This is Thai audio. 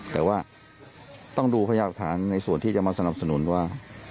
แต่ว่าต้องดูพยากฐานในส่วนที่จะมาสนับสนุนว่า